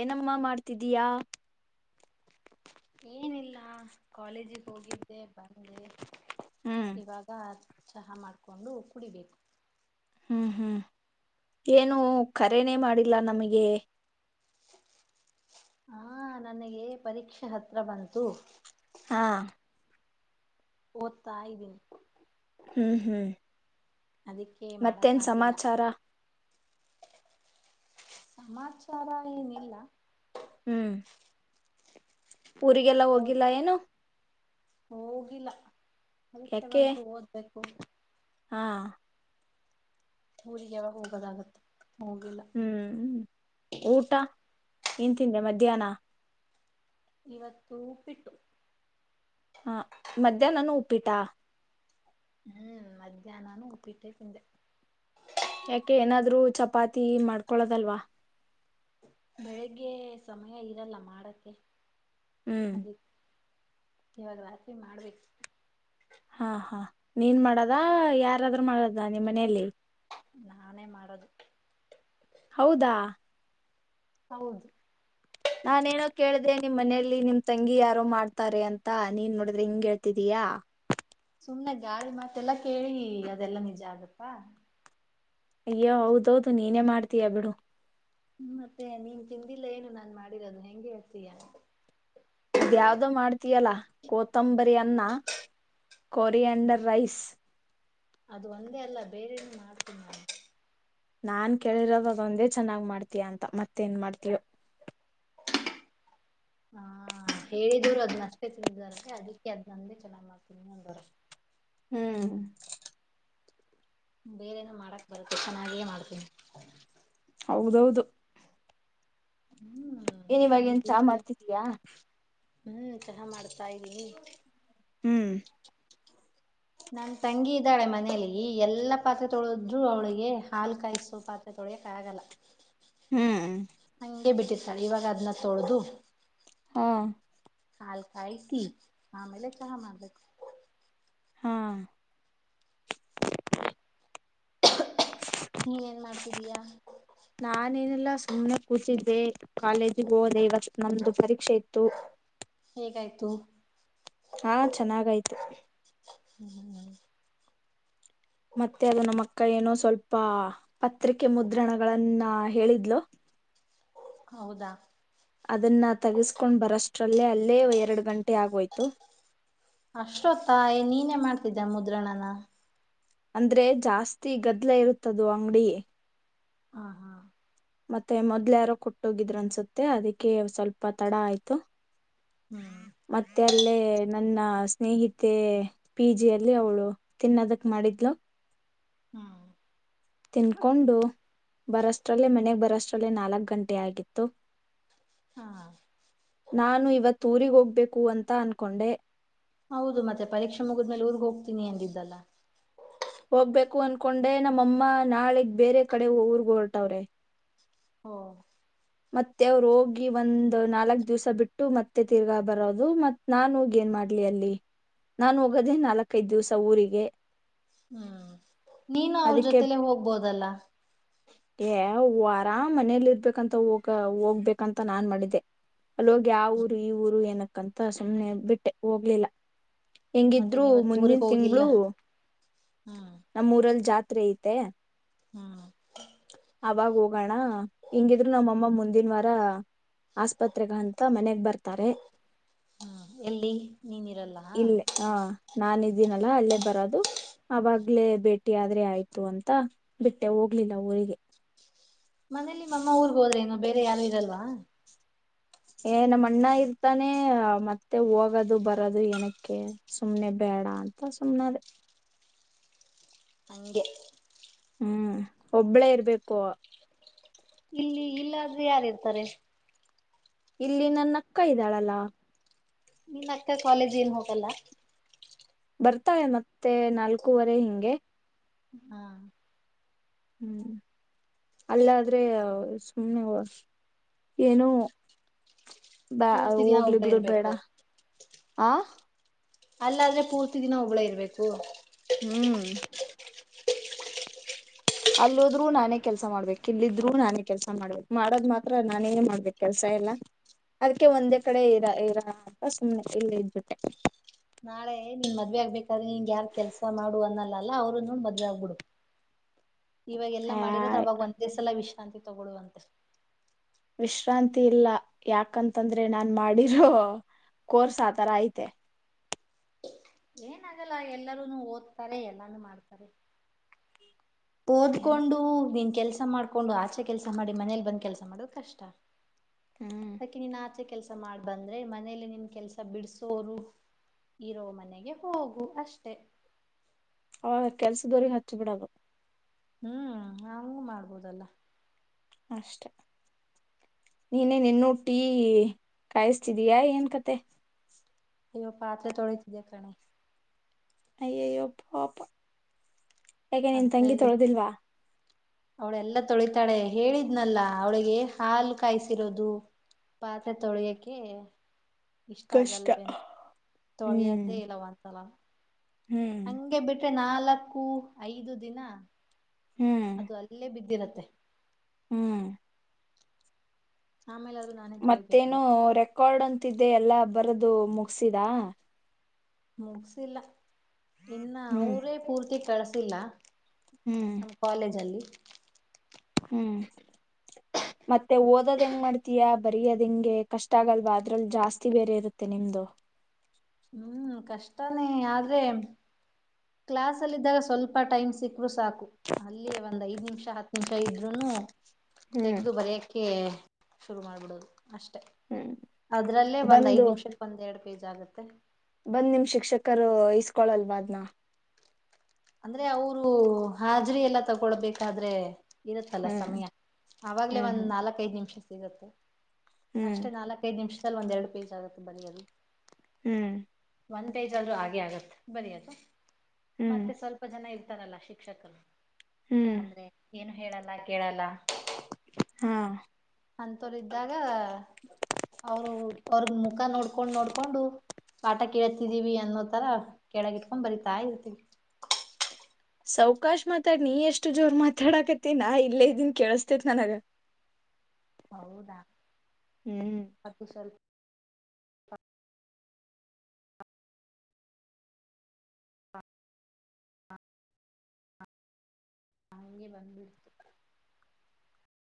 ಏನಮ್ಮ ಮಾಡ್ತಿದ್ದೀಯಾ. ಏನಿಲ್ಲ, ಕಾಲೇಜಿಗೆ ಹೋಗಿದ್ದೆ ಬಂದೆ. ಹ್ಮ್ ಇವಾಗ. ಚಹಾ ಮಾಡ್ಕೊಂಡು ಕುಡಿಬೇಕು. ಹ್ಮ್ ಹ್ಮ್ ಏನು ಕರೆೇನೇ ಮಾಡಿಲ್ಲ ನಮಗೆ. ಹಾ ನನಗೆ ಪರೀಕ್ಷೆ ಹತ್ರ ಬಂತು. ಹಾ. ಓದ್ತಾ ಇದೀನಿ. ಹ್ಮ್ ಹ್ಮ್. ಅದಕ್ಕೆ ಮತ್ತೇನ್ ಮಾಡಕ್ಕಾಗಿಲ್ಲ ಸಮಾಚಾರ. ಸಮಾಚಾರ ಏನಿಲ್ಲ. ಹ್ಮ್. ಊರಿಗೆಲ್ಲ ಓದ್ ಹೋಗಿಲ್ಲ ಏನು. ಹೋಗಿಲ್ಲ. ಪರೀಕ್ಷೆ ಯಾಕೆ ಬಂತೂ ಓದ್ಬೇಕ್ [inaudible] ಹಾ. ಊರಿಗೆ ಯಾವಾಗ ಹೋಗದಾಗುತ್ತೆ. ಹ್ಮ್ ಊಟ. ಏನ್ ತಿಂದೆ ಮಧ್ಯಾಹ್ನ. ಇವತ್ತು ಉಪ್ಪಿಟ್ಟು. ಹಾ ಮಧ್ಯಾಹ್ನನು ಉಪ್ಪಿಟ್ಟಾ. ಹ್ಮ್ ಮಧ್ಯಾಹ್ನಾನು ಉಪ್ಪಿಟ್ಟೆ ತಿಂದೆ. ಯಾಕೆ ಏನಾದ್ರೂ ಚಪಾತಿ ಮಾಡ್ಕೊಳದಲ್ವಾ. ಬೆಳಿಗ್ಗೆ ಸಮಯ ಇರಲ್ಲ ಮಾಡಕ್ಕೆ. ಹ್ಮ್. ಇವಾಗ್ ರಾತ್ರಿ ಮಾಡ್ಬೇಕ್. ಹಾ ಹಾ ನೀನ್ ಮಾಡಾದಾ ಯಾರಾದ್ರೂ ಮಾಡದಾ ನಿಮ್ ಮನೆಯಲ್ಲಿ. ನಾನೇ ಮಾಡೋದು. ಹೌದಾ. ಹೌದು. ನಾನೇನೋ ಕೇಳ್ದೆ ನಿಮ್ ಮನೆಯಲ್ಲಿ ನಿಮ್ ತಂಗಿ ಯಾರೋ ಮಾಡ್ತಾರೆ ಅಂತ ನೀನ್ ನೋಡಿದ್ರೆ ಹಿಂಗ್ ಹೇಳ್ತಿದೀಯಾ. ಸುಮ್ನೆ ಗಾಳಿ ಮಾತೆಲ್ಲ ಕೇಳಿ ಅದೆಲ್ಲಾ ನಿಜ ಆಗತ್ತಾ. ಅಯ್ಯೋ ಹೌದೌದು ನೀನೇ ಮಾಡ್ತೀಯ ಬಿಡು. ಹ್ಮ ಮತ್ತೆ ನೀನ್ ತಿಂದಿಲ್ಲ ಏನು ನಾನ್ ಮಾಡಿರೋದು ಹೆಂಗೆ ಹೇಳ್ತೀಯಾ. ಅದ್ಯಾವ್ದೋ ಮಾಡ್ತೀಯಲ್ಲಾ ಕೋತಂಬರಿ ಅನ್ನ ಕೊರಿಯಂಡರ್ ರೈಸ್. ಅದು ಒಂದೇ ಅಲ್ಲ ಬೇರೆನು ಮಾಡ್ತೀನಿ ನಾನು. ನಾನ್ ಕೇಳಿರೋದ್ ಅದೊಂದೇ ಚೆನ್ನಾಗ್ ಮಾಡ್ತಿಯ ಅಂತ ಮತ್ತೇನ್ ಮಾಡ್ತಿಯೋ. ಹಾ ಹೇಳಿದೋರ್ ಅದ್ನಷ್ಟೇ ತಿಂದಿದಾರಂತೆ ಅದಕ್ಕೆ ಅದ್ ನೊಂದೆ ಚೆನ್ನಾಗಿ ಮಾಡ್ತೀನಿ ಅಂದವ್ರೆ. ಹ್ಮ್. ಬೇರೆೇನು ಮಾಡಕ್ ಬರುತ್ತೆ ಚೆನ್ನಾಗಿಯೇ ಮಾಡ್ತೀನಿ. ಹೌದೌದು. ಹ್ಮ್ ಏನ್ ಇವಾಗ ನೀನ್ ಏನ್ ಚಾ ತಿಂದಿಲ್ಲ ಮಾಡ್ತಿದೀಯಾ. ಹ್ಮ್ ಚಹಾ ಮಾಡ್ ತಾ ಇಲ್ಲಿ. ಹ್ಮ್ ನನ್ ತಂಗಿ ಇದಾಳೆ ಮನೇಲಿ ಎಲ್ಲಾ ಪಾತ್ರೆ ತೊಳದ್ರು ಅವಳಿಗೆ ಹಾಲು ಕಾಯಸೋ ಪಾತ್ರೆ ತೊಳಿಯಕ ಆಗಲ್ಲ. ಹ್ಮ್ ಹಂಗೆ ಬಿಟ್ಟಿರ್ ಇವಾಗ ಅದ್ನ ತೊಳ್ದು. ಹಾ. ಹಾಲ್ ಕಾಯಿಸಿ ಆಮೇಲೆ ಚಹಾ ಮಾಡ್ಬೇಕು. ಹಾ. [inaudible] ನೀನೇನ್ ಮಾಡ್ತಿದ್ದೀಯಾ. ನಾನೇನಿಲ್ಲ ಸುಮ್ನೆ ಕೂತಿದ್ದೆ ಕಾಲೇಜಿಗ್ ಹೋದೆ ಇವಾ ನಮ್ದು ಪರೀಕ್ಷೆ ಇತ್ತು. ಹೇಗಾಯ್ತು. ಹಾ ಚೆನ್ನಾಗಾಯ್ತು. [inaudible] ಮತ್ತೆ ಅದು ನಮ್ಮಕ್ಕ ಏನೋ ಸ್ವಲ್ಪ ಪತ್ರಿಕೆ ಮುದ್ರಣಗಳನ್ನ ಹೇಳಿದ್ಲು. ಹೌದಾ? ಅದನ್ನ ತಗಸ್ಕೊಂಡ್ ಬರಷ್ಟ್ರಲ್ಲೇ ಅಲ್ಲೇ ಎರಡು ಗಂಟೆ ಆಗೋಯ್ತು. ಅಷ್ಟೊತ್ತ, ನೀನೇ ಮಾಡ್ತಿದ್ದ ಮುದ್ರಣನ? ಅಂದ್ರೆ ಜಾಸ್ತಿ ಗದ್ಲ ಇರುತ್ತದು ಅಂಗಡಿ. ಹಾ ಹಾ ಮತ್ತೆ ಮೊದ್ಲ್ ಯಾರೋ ಕೊಟ್ಟೋಗಿದ್ರಂನ್ಸುತ್ತೆ ಅದಕ್ಕೆ ಸ್ವಲ್ಪ ತಡ ಆಯ್ತು. ಹ್ಮ್ ಮತ್ತೆ ಅಲ್ಲೇ ನನ್ನ ಸ್ನೇಹಿತೆ ಪಿ ಜಿಯಲ್ಲಿ ಅವಳು ತಿನ್ನೊದಕ್ ಮಾಡಿದ್ಲು. ಹ್ಮ ತಿನ್ಕೊಂಡು ಬರಷ್ಟ್ರಲ್ಲೇ ಮನೆಗೆ ಬರೋಷ್ಟ್ರಲ್ಲೇ ನಾಲಕ್ ಗಂಟೆ ಆಗಿತ್ತು. ಹಾ ನಾನು ಇವತ್ತು ಊರಿಗ್ ಹೋಗ್ಬೇಕು ಅಂತ ಅನ್ಕೊಂಡೆ. ಹೌದು ಮತ್ತೆ ಪರೀಕ್ಷೆ ಮುಗಿದ್ಮೇಲೆ ಊರ್ಗ್ ಹೋಗ್ತೀನಿ ಅಂದಿದ್ದಲ್ಲ. ಹೋಗ್ಬೇಕು ಅನ್ಕೊಂಡೆ ನಮ್ಮಮ್ಮ ನಾಳಿಗ್ ಬೇರೆ ಕಡೆ ಊರ್ಗ್ ಹೊರ್ರ್ಟವ್ರೆ. ಓ ಮತ್ತೆ ಅವ್ರು ಹೋಗಿ ಒಂದ್ ನಾಲ್ಕ್ ದಿವ್ಸ ಬಿಟ್ಟು ಮತ್ತೆ ತಿರ್ಗ ಬರೊದು ಮತ್ ನಾನ್ ಹೋಗಿ ಏನ್ ಮಾಡ್ಲಿ ಅಲ್ಲಿ ನಾನ್ ಹೋಗದೇ ನಾಲ್ಕೖದ್ ದಿವ್ಸ ಊರಿಗೆ. ಹ್ಮ್ ನೀನು ಅವ್ರ್ ಅದಕ್ಕೆ ಜೊತೆಲೆೇ ಹೋಗ್ಬೋದಲ್ಲ. ಏ ಎ ಅರಾಮ್ ಮನೆಲ್ ಇರ್ಬೇಕು ಅಂತ ಹೋಗ ಹೋಗ್ಬೇಕಂತ ನಾನ್ ಮಾಡಿದ್ದೆ ಅಲ್ಲಿ ಹೋಗಿ ಆ ಊರು ಈ ಊರು ಏನಕ್ಕಂತ ಸುಮ್ನೆ ಬಿಟ್ಟೆ ಹೋಗ್ಲಿಲ್ಲ. ಮತ್ತೆ ಹೆಂಗಿದ್ರು ನೀವತ್ ಊರಿಗೆ ಹೋಗಿಲ್ಲ ಮುಂದಿನ್ತಿಂಗಳು ಹ್ಮ್ ನಮ್ಮೂರ ಜಾತ್ರೆ ಐತೆ. ಹ್ಮ್ ಅವಾಗ ಹೋಗೋಣ ಹೆಂಗಿದ್ರು ನಮ್ಮಮ್ಮ ಮುಂದಿನ್ವಾರ ಆಸ್ಪತ್ರೆಗಂತ ಮನೇಗ್ಬರ್ ತ್ತಾರೆ ಹ್ಮ್ ಎಲ್ಲಿ ನೀನ್ ಇರಲ್ಲ ಇಲ್ಲಿ ಹ ನಾನಿ ದಿನಲ್ಲ ಅಲ್ಲೇ ಬರದು ಆವಾಗ್ಲೇ ಭೇಟಿ ಆದ್ರೆ ಆಯ್ತು ಅಂತ ಬಿಟ್ಟೆ ಹೋಗ್ಲಿ ನ ಊರಿಗೆ ಮನೇಲಿ ಮಮ್ಮ ಊರ್ಗ್ ಹೋದ್ರೆ ಏನು ಬೇರೆ ಯಾರು ಇರಲ್ವಾ? ಏ ನಮ್ಮಣ್ಣ ಇರ್ತಾನೆ ಮತ್ತೆ ಹೋಗೋದು ಬರದು ಏನಕ್ಕೆ ಸುಮ್ನೆ ಬೇಡ ಅಂತ ಸುಮ್ನಾದೆ. ಹಂಗೆ. ಹ್ಮ್ ಒಬ್ಬಳೇ ಇರ್ಬೇಕು. ಇಲ್ಲಿ ಇಲ್ಲಾದ್ರೆ ಯಾರ್ ಇರ್ತಾರೆ? ಇಲ್ಲಿ ನನ್ನಕ್ಕ ಇದ್ದಾಳಲ್ಲ. ನೀನ್ ಆಕ್ಕ ಕಾಲೇಜ್ಗ್ ಏನ್ ಹೋಗಲ್ಲ. ಬರ್ತಾಳೆ ಮತ್ತೆ ನಾಲ್ಕೂವರೆ ಹಿಂಗೆ. ಹಾ ಹ್ಮ್ ಅಲ್ಲಾದ್ರೆ ಸುಮ್ನೆವು ಏನು ಬಾ ಪೂರ್ತಿ ದಿನ ಹೋಗ್ಲಿ ಒಬ್ಳೇ ಬಿಡು ಬೇಡ ಇರ್ಬೇಕು ಆ. ಅಲ್ಲಾದ್ರೆ ಪೂರ್ತಿ ದಿನ ಒಬ್ಳೆ ಇರ್ಬೇಕು. ಹ್ಮ್. ಅಲ್ಲೋದ್ರೂ ನಾನೇ ಕೆಲ್ಸ ಮಾಡ್ಬೇಕು ಇಲ್ಲಿದ್ರೂ ನಾನೇ ಕೆಲ್ಸ ಮಾಡ್ಬೇಕು ಮಾಡದ್ ಮಾತ್ರ ನಾನೇ ಮಾಡ್ಬೇಕು ಕೆಲ್ಸ ಎಲ್ಲ ಅದಕ್ಕೆ ಒಂದೇ ಕಡೆ ಇರ ಇರ ಅಂತ ಸುಮ್ನೆ ಇಲ್ಲೆ ಇದ್ಬಿಟ್ಟೆ. ನಾಳೆ ನೀನ್ ಮದ್ವೆ ಆಗ್ಬೇಕಾದ್ರೆ ನಿಂಗ ಯಾರ್ ಕೆಲ್ಸ ಮಾಡು ಅನ್ನಲ್ಲಲ್ಲ ಅವರು ನೋಡ್ ಮದ್ವೆ ಆಗ್ಬಿಡು. ಇವಾಗೆಲ್ಲ ಆ ಮಾಡಿರೋದು ಅವಾಗ ಒಂದೇ ಸಲ ವಿಶ್. ಆಂತಿ ತಗೊಳ್ಳುವಂತೆ. ವಿಶ್ರಾಂತಿ ಇಲ್ಲ ಯಾಕಂತಂದ್ರೆ ನಾನ್ ಮಾಡಿರೋ ಕೋರ್ಸ್ ಆತರ ಐತೆ. ಏನಾಗಲ್ಲ ಎಲ್ಲಾರೂನು ಓದ್ತಾರೆ ಎಲ್ಲಾನೂ ಮಾಡ್ತಾರೆ. ಏನೋ ಓದ್ಕೊಂಡು ನಿನ್ ಕೆಲ್ಸ್. ಕೆಲಸ ಮಾಡ್ಕೊಂಡು ಆಚೆ ಕೆಲಸ ಮಾಡಿ ಮನೇಲಿ ಬಂದ್ ಕೆಲಸ ಮಾಡೋದು ಕಷ್ಟ. ಹ್ಮ್ ಅದಕ್ಕೆ ನೀನ್ ಆಚೆ ಕೆಲ್ಸ. ಮಾಡ್ ಬಂದ್ರೆ ಮನೇಲಿ ನಿಮ್ ಕೆಲಸ ಬಿಡಸೋರು ಇರೋ ಮನೆಗೆ ಹೋಗು ಅಷ್ಟೆ. ಅವಾಗ ಕೆಲ್ಸದೊರಿಗೆ ಹಚ್ಚಬಿಡದು. ಹ್ಮ್ ಹಂಗು ಮಾಡ್ಬೋದಲ್ಲ. ಅಷ್ಟೇ ನೀನೇನಿನ್ನುೂ ಟೀ ಕಾಯಿಸ್ತಿದೀಯಾ ಏನ್ ಕತೆ. ಅಯ್ಯೋ ಪಾತ್ರೆ ತೊಳತಿದೆ ಕಣೆ. ಅಯ್ಯಯ್ಯೋ ಪಾಪ. ಯಾಕೆ ನೀನ್ ತಂಗಿ ತೊಳದಿಲ್ವಾ. ಅವಳೆಲ್ಲ ತೊಳಿತಾಳೆ ಹೇಳಿದ್ನಲ್ಲ ಅವಳಿಗೆ ಹಾಲು ಕಾಯಿಸಿರೋದು ಪಾತ್ರೆ ತೊಳಿಯಕೆ. ಇಷ್ಟ ಕಷ್ಟ ಆಗಲ್ವೇನು ಹ್ಮ್ ತೊಳಿಯದೇ ಇಲ್ಲ ಒಂದ್ಸಲನು. ಹ್ಮ್ ಹಂಗೆ ಬಿಟ್. ತ್ತೆ ನಾಲಕ್ಕು ಐದು ದಿನ. ಹ್ಮ್ ಅದು ಅಲ್ಲೇ ಬಿದ್ದಿರತ್. ತ್ತೆ. ಹ್ಮ್. ಆಮೇಲ. ಮತ್ತೇನೋ ರೆಕಾರ್ಡ್ ಅಂತ್. ತಿದ್ದೆ ಎಲ್ಲಾ ಬರದು ಮುಗಸಿದ. ಮುಗ್ಸಿಲ್ಲ. ಇನ್ನಾ ಹ್ಮ್ ಅವ್ರೇ ಪೂರ್ತಿ. ಕಳಸಿಲ್ಲ. ಹ್ಮ್ ನಮ್ಮ ಕಾಲೇಜ್ ಅಲ್ಲಿ. ಹ್ಮ್. ಮತ್ತೆ ಓದೋದ್ ಹೆಂಗ ಮಾಡ್ತಯಾ. ಬರಿ ಅದೆಂಗೆ ಕಷ್ಟ ಆಗಲ್ವಾ ಅದ್ರಲ್ ಜಾಸ್ತಿ ಬೇರೆ ಇರುತ್ತೆ ನಿಮ್ದು. ಹ್ಮ್ ಕಷ್ಟನೇ ಆದ್ರೆ. ಕ್ಲಾಸ್ ಅಲ್ಲಿದ್ದಾಗ ಸ್ವಲ್ಪ ಟೈಮ್ ಸಿಕ್ರು ಸಾಕು ಅಲ್ಲಿ ಒಂದ್ ಐದ್ ನಿಮಿಷ ಹತ್ತು ನಿಮಿಷ ಇದ್ರುನೂ. ಹ್ಮ್ ತೆಗ್ದು ಬರಯಕ್ಕೆ. ಶುರು ಮಾಡ್ಬಿಡೋದು. ಅಷ್ಟೆ ಹ್ಮ್ ಅದ್ರಲ್ಲೇ ಒಂದ ಐದು ಬಂದು ನಿಮಿಷಕ್ಕೆ ಒಂದೆರಡು ಪೇಜ್ ಆಗತ್ತೆ. ಕೊಳಲ್ವಾ ಅದ್ನಾ. ಅಂದ್ರೆ ಅವ್ರು ಹಾಜರಿ ಎಲ್ಲ ತಗೊಳ್ಬೇಕಾದ್ರೆ. ಇರುತ್ತಲ್ಲ ಹ್ಮ್ ಸಮಯ ಅವಾಗ್ಲೇ ಹ್ಮ್ ಒಂದ್ ಹ್ಮ್ ನಾಲ್ಕೈದು ನಿಮಿಷ. ಸಿಗತ್ತೆ. ಹ್ಮ್ ಅಷ್ಟೇ ನಾಲ್ಕೈದ್ ನಿಮಿಷ್ ದಲ್ ಒಂದ್ ಎರಡ್ ಪೇಜ್ ಆಗತ್ತ್ ಬರಿಯೋದು. ಹ್ಮ. ಒಂದ್ ಪೇಜ್ ಅದ್ರೂ ಆಗೆ ಆಗತ್ತೆ ಬರಿಯೋದು. ಹ್ಮ. ಮತ್ತೆ ಸ್ವಲ್ಪ ಜನ ಇರ್ತಾರಲ್ಲ ಶಿಕ್ಷಕರು. ಹ್ಮ್ ಅಂದ್ರೆ ಏನ್ ಹೇಳಲ್ಲ ಕೇಳಲ್ಲ. ಹಾ. ಅಂತವರು ಇದ್ದಾಗ ಅವರು ಅವ್ರ ಮುಖ ನೋಡ್ಕೊಂಡ್ ನೋಡ್ಕೊಂಡು ಪಾಟ ಕೇಳತಿದೀವಿ ಅನ್ನೋ ತರ ಕೆಳಗ ಇಟ್ಕೊಂಡ್ ಬರಿತಾ ಇರ್ತೀವಿ. ಸೌಕಾಶ್ ಮಾತಾಡ್ ನೀ ಎಷ್ಟು ಜೋರ್ ಮಾತಾಡಾಕತ್ತಿ ನಾ ಇಲ್ಲೇ ಇದ್ದೀನ್ ಕೇಳಸ್ತೇತ್ ನನಗ. ಹೌದಾ ಹ್ಮ್ ಅದು ಸ್ವಲ್ಪ್. [inaudible] ಹಂಗೆ ಬಂದ್ಬಿಡ್ತು.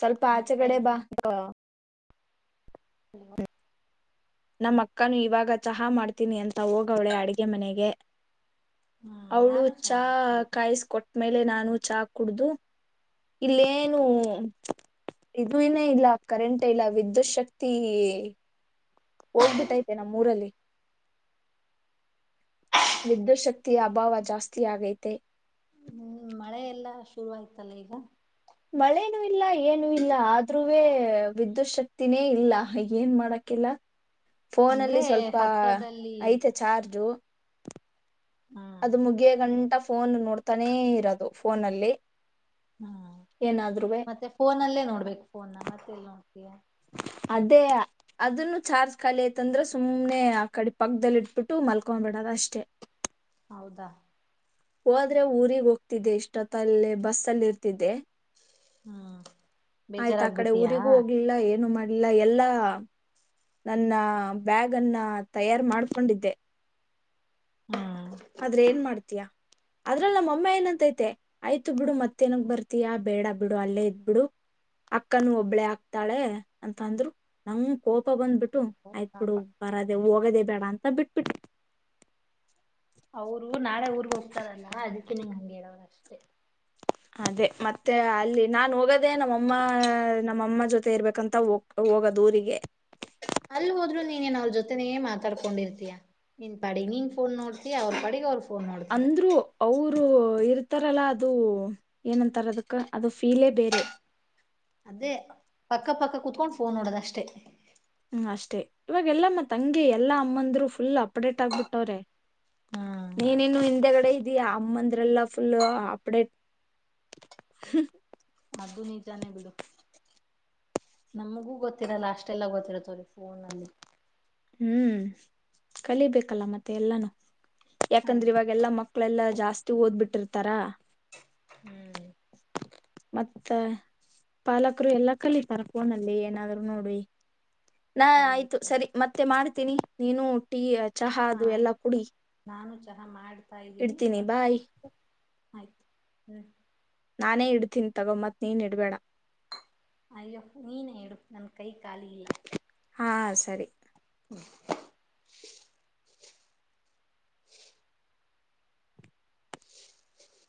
ಸ್ವಲ್ಪ ಆಚೆ ಮತ್ತೆ ಕಡೆ ಏನ್ ಬಾ. ಸಮ [inaudible] ನಮ್ಮ ಅಕ್ಕಾನು ಇವಾಗ ಚಹಾ ಮಾಡ್ತೀನಿ ಅಂತ ಹೋಗವ್ಳೆ ಅಡುಗೆ ಮನೆಗೆ. ಹ್ಮ್ ಅವ್ಳು ನಾನು ಚಾ ಮಾಡ್ತಿದ್ದೀನಿ ಕಾಯಿಸ್ಕೊಟ್ಟ್ಮೇಲೆ ನಾ ನು ಚಾ ಕುಡ್ದು ಇಲ್ಲೇನು ಇದುನೇ ಇಲ್ಲ ಕರೆಂಟ್ ಇಲ್ಲ ವಿದ್ಯುತ್ ಶಕ್ತಿ. ಹೋಗ್ಬಿಟ್ಟೈತೆ ಇಲ್ಲ ನಮ್ಮೂರಲ್ಲಿ. ವಿದ್ಯುತ್ ಶ ಕ್ತಿ ಅಭಾವ ಜಾಸ್ತಿ ಆಗೈ ತೆ. ಹ್ಮ್ ಮಳೆ ಎಲ್ಲಾ ಶುರುವಾಯ್ತಲ್ಲ ಈಗ. ಮಳೇನೂ ಇಲ್ಲ ಏನೂ ಇಲ್ಲ ಆದ್ರೂವೇ ವಿದ್ಯುತ್ ಶಕ್ತಿನೇ ಇಲ್ಲ ಏನ್ ಮಾಡಕಿಲ್ಲ. ಅಂದ್ರೆ ಫೋನಲ್ಲಿ ಸ್ವಲ್ಪ ಹತ್ರದಲ್ಲಿ ಐತೆ ಚಾರ್ಜು. ಹ್ಮ್ ಅದು ಮುಗಿಯಗಂಟ ಫೋನ್ ನೋಡ್ತಾನೇ ಇರೋದು ಫೋನಲ್ಲಿ. ಹ್ಮ ಏನಾದ್ರುವೆ ಮತ್ತೆ ಫೋನಲ್ಲೇ ನೋಡ್ಬೇಕು ಫೋನಾ ಮತ್ತೆಲ್ಲಿ ನೋಡ್ ತಿಯ ಅದೇಯ ಅದನ್ನು ಚಾರ್ಜ್ ಖಾಲಿ ಐತಂದ್ರೆ ಸುಮ್ಮ್ನೆ ಆ ಕಡೆ ಪಕ್ಕದಲ್ಲಿ ಇಟ್ಬಿಟ್ಟು ಮಲಕೊಂಬಿಡದ್ ಅಷ್ಟೆ. ಹೌದಾ ಹೋದ್ರೆ ಊರಿಗ್ ಹೋಗ್ತಿದ್ದೆ ಇಷ್ಟೊತ್ತಲ್ಲೇ ಬಸ್ ಅಲ್ಲಿ ಇರ್ತಿದ್ದೆ. ಹ್ಮ್ ಆಯ್ತ್ ಆ ಕಡೆ ಬೇಜಾರಾಗ್ಬಿಟ್ಟಿಯಾ ಊರಿಗೂ ಹೋಗ್ಲಿಲ್ಲ ಏನು ಮಾಡ್ ಇಲ್ಲ ಎಲ್ಲಾ ನನ್ನ ಬ್ಯಾಗನ್ನ ತಯಾರ್ ಮಾಡ್ಕೊಂಡಿದ್ದೆ. ಹ್ಮ್ ಆದ್ರ ಏನ್ ಮಾಡ್ ತ್ಯ ಅದ್ರಲ್ ನಮ್ಮಮ್ಮ ಏನಂತೈತೆ ಆಯ್ತು ಬಿಡು ಮತ್ತೇನಿಕ್ ಬರ್ತಿಯಾ ಬೇಡ ಬಿಡು ಅಲ್ಲೇ ಇದ್ಬಿಡು ಅಕ್ಕನು ಒಬ್ಳೆ ಆಕ್ತಾಳೆ ಅಂತ ಅಂದ್ರು ನಂಗ ಕೋಪ ಬಂದ್ಬಿಟ್ಟು ಐತು ಪಾಪ ಬಿಡು ಬರ ಹೋಗದೇ ಬೇಡ ಅಂತ ಬಿಟ್ಬಿಟ್ಟು ಅವರು ನಾಳೆ ಊರ್ಗ್ ಹೋಗ್ತಾರಲ್ಲ ಅದಿಕೆ ನಿಂಗ್ ಹಂಗ್ ಹೇಳವರು ಅಷ್ಟೇ. ಅದೇ ಮತ್ತೆ ಅಲ್ಲಿ ನಾ ಹೋಗೋದೇ ನಮ್ಮಮ್ಮ ನಮ್ಮಮ್ಮ ಜೊತೆ ಇರ್ಬೇಕಂತಗ ಹೋಗದೂರಿಗೆ. ಅಲ್ಲೋಹೋದ್ರು ನೀನೆನ್ ಅವ್ರ ಜೊತೆನ ಮಾತಾಡ್ಕೊಂಡಿರ್ತೀಯ ನೀನ್ ಪಾಡಿಗ್ ನೀನ್ ಫೋನ್ ನೋಡ್ತೀಯ ಅವ್ರ ಪಡಿಗೆ ಅವ್ರ ಅಂದ್ರು ಅವ್ರು ರು ಇರ್ತಾರಲ್ಲ ಅದು ಏನಂತಾರ ಅದಕ್ಕ ಅದು ಫೀಲೇ ಬೇರೆ. ಅದೇ ಪಕ್ಕ ಪಕ್ಕ ಕುೂತ್ಕೊಂಡು ಫೋನ್ ನೋಡದ ಅಷ್ಟೇ. ಹ್ಮ್ ಅಷ್ಟೇ ಇವಾಗ ಎಲ್ಲಮ್ಮ ತಂಗಿ ಎಲ್ಲಾ ಅಮ್ಮಂದ್ರು ಫುಲ್ ಅಮ್ಮಂದ್ರು ಫುಲ್ ಅಪ್ಡೇಟ್ ಆಗ್ಬಿಟ್ಟವ್ರೆ. ಹ್ಮ್ ನೀನಿನ್ನು ಹಿಂದೆಗಡೆ ಇದೀಯ ಅಮ್ಮಂದ್ರೆಲ್ಲಾ ಫುಲ್ ಅಪ್ಡೇಟ್ ಅದು ನಿಜಾನೇ ಬಿಡು, ನಮಗೂ ಗೊತ್ತಿರಲ್ಲ ಅಷ್ಟೆಲ್ಲ ಗೊತ್ತಿರತ್ ಅವ್ರಿಗ್ ಫೋನಲ್ಲಿ. ಹ್ಮ್ ಕಲಿಬೇಕಲ್ಲ ಮತ್ತೆ ಎಲ್ಲಾನು. ಯಾಕಂದ್ರೆ ಅಯ್ಯೋ ಇವಾಗೆಲ್ಲಾ ಮಕ್ಕಳೆಲ್ಲಾ ಜಾಸ್ ಸ್ತಿ ಓದ್ಬಿಟ್ಟಿರ್ತಾರ. ಹ್ಮ್ ಮತ್ತ ಪಾಲಕ್ರು ಎಲ್ಲಾ ಕಲಿತಾರ ಫೋನಲ್ಲಿ ಏನಾದ್ರು ನೋಡಿ. ನಾ ಕಲೀಲಿ ಆಯ್ತು ಸರಿ. ಕಲೀಲಿ ಮತ್ತೆ ಮಾಡ್ತೀನಿ ನೀನು ಟೀ ಚಹಾ ಅದು ಎಲ್ಲಾ ಆಯ್ತು ಕುಡಿ ನಾನು ಚಹಾ ಮಾಡ್ತಾ ಇದ್ದೀನಿ ಇಡ್ತೀನಿ ಬಾಯ್ ಇವತ್ತು ಆಯ್ತು ಹ್ಮ್. ನಾನೇ ಇಡ್ತೀನ್ ತಗೊ ಮತ್ ನೀನ್ ಇಡ್ಬೇಡ. ಅಯ್ಯೋ ನೀನೆ ಇಡು ನನ್ ಕೈ ಖಾಲಿ ಇಲ್ಲ. ಹಾ ಸರಿ. [inaudible]